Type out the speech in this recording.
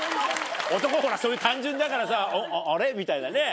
男ほら単純だからさあれ？みたいなね。